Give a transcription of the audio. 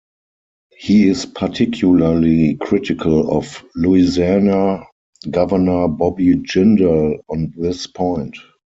He is particularly critical of Louisiana Governor Bobby Jindal on this point.